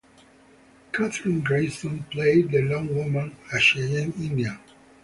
Kathryn Grayson played the "Lone Woman," a Cheyenne Indian.